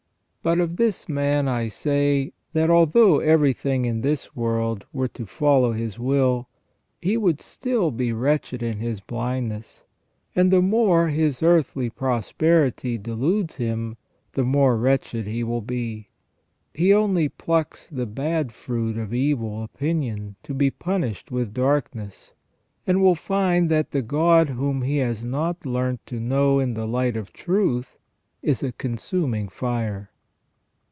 But of this man I say, that although everything in this world were to follow his will, he would still be wretched in his blindness, and the more his earthly prosperity deludes him, the * S, August., De Diversis Questionibus, q. i. 384 FROM THE BEGINNING TO THE END OF MAN. more wretched he will be. He only plucks the bad fruit of evil opinion to be punished with darkness, and will find that the God whom he has not learnt to know in the light of truth is a con suming fire."